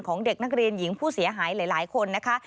เด็กนักเรียนหญิงผู้เสียหายหลายคนนะคะ